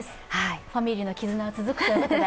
ファミリーの絆は続くということで。